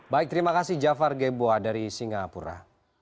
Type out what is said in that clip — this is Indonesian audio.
baik terima kasih jafar geboa dari singapura